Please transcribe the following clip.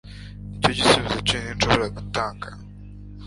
nicyo gisubizo cyonyine nshobora gutanga